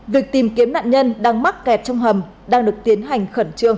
việc tìm kiếm nạn nhân đang mắc kẹt trong hầm đang được tiến hành khẩn trương